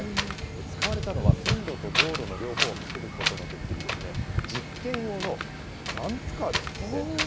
使われたのは、線路と道路の両方を走ることのできる、実験用のダンプカーですって。